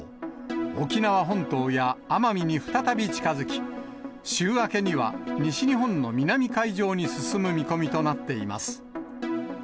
沖縄本島や奄美に再び近づき、週明けには西日本の南海上に進む見込みとなっています。